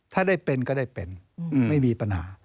ถ้าได้เป็นก็ได้เป็นไม่มีปัญหา